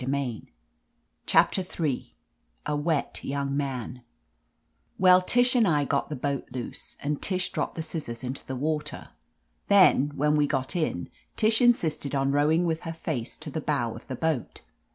"r* CHAPTER IIL A WET YOUNG MAN WELL, Tish and I got the boat loose, and Tish dropped the scissors into the water. Then when we got in, Tish insisted on rowing with her face to the bow of the boat.